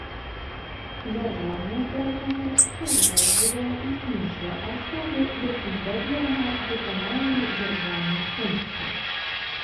Дзяржаўныя органы, службовыя і іншыя асобы, якім даверана выкананне дзяржаўных функцый.